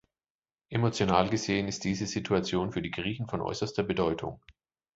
Emotional gesehen ist diese Situation für die Griechen von äußerster Bedeutung.